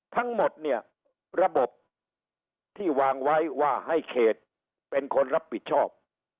ทั้งหมดเนี่ยระบบที่วางไว้ว่าให้เขตเป็นคนรับผิดชอบ